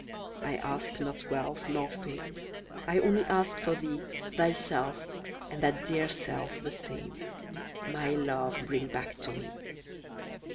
I ask not wealth nor fame, I only ask for thee, Thyself and that dear self the same My love, bring back to me!